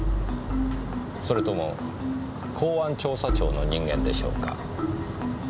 それとも公安調査庁の人間でしょうか。